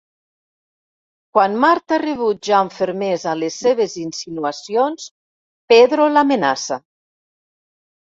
Quan Marta rebutja amb fermesa les seves insinuacions Pedro l'amenaça.